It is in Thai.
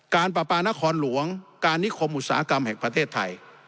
การปราปานครหลวงการนิคมอุตสาหกรรมแห่งประเทศไทย